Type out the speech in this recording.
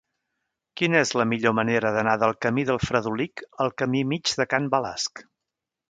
Quina és la millor manera d'anar del camí del Fredolic al camí Mig de Can Balasc?